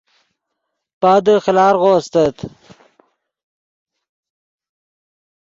پادے خیلارغو استت